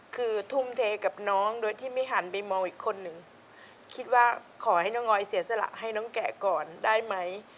คือทุ่มเทกับน้องโดยที่ไม่หันไปมองอีกคนนึงคิดว่าขอให้น้องออยเสียสละให้น้องแกะก่อนได้ไหม